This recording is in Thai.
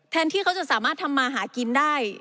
แทนที่เขาจะทำมาสามารถหากินได้